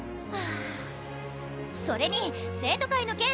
あそれに生徒会の件！